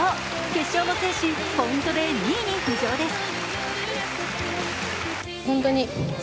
決勝も制しポイントで２位に浮上です。